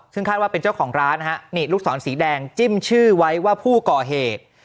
ซึ่งคาดว่าเป็นเจ้าของร้านฮะนี่ลูกศรสีแดงจิ้มชื่อไว้ว่าผู้ก่อเหตุ